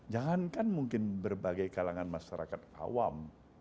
jangankan mungkin berbagai kalangan masyarakat awam